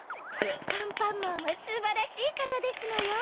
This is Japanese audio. アンパンマンはすばらしいかたですのよ！